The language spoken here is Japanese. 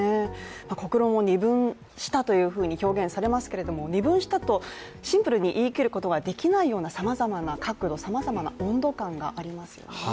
国論を二分したというふうに表現されますけど二分したとシンプルに言い切ることはできないような、さまざまな角度、さまざまな温度感がありますよね。